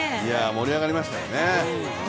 盛り上がりましたよね。